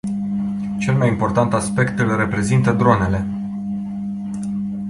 Cel mai important aspect îl reprezintă dronele.